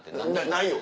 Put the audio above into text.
ないよ。